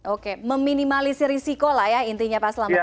oke meminimalisir risikolah ya intinya pak selamat ya